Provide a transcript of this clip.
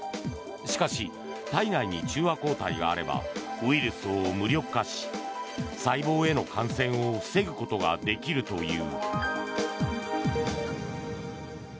しかし、体内に中和抗体があればウイルスを無力化し細胞への感染を防ぐことができるという。